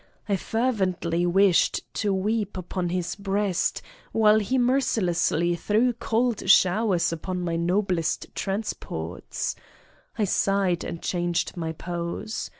I fervently wished to weep upon his breast while he mercilessly threw cold showers upon my noblest transports. I sighed and changed my pose.